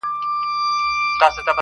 ما د حیاء پردو کي پټي غوښتې!.